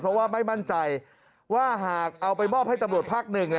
เพราะว่าไม่มั่นใจว่าหากเอาไปมอบให้ตำรวจภาคหนึ่ง